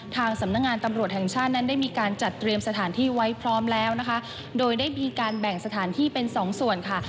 ทางสำนักงานตำรวจแห่งชาตินั้นได้มีการจัดเตรียมสถานที่ไว้พร้อมแล้วนะคะโดยได้มีการแบ่งสถานที่เป็นสองส่วนค่ะ